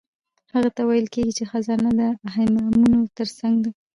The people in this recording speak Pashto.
هغه ته ویل کیږي چې خزانه د اهرامونو ترڅنګ ده.